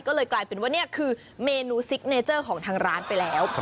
ก็เลยกลายเป็นว่านี่คือเมนูซิกเนเจอร์ของทางร้านไปแล้ว